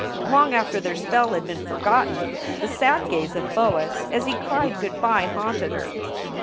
Long after their spell had been forgotten, the sad gaze of Boas as he cried good by haunted her.